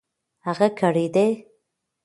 هغه کړېدی .